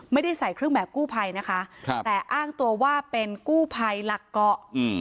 ไม่ได้ใส่เครื่องแบบกู้ภัยนะคะครับแต่อ้างตัวว่าเป็นกู้ภัยหลักเกาะอืม